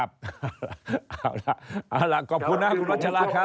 ครับเอาล่ะขอบคุณนะคุณสุภาพครับ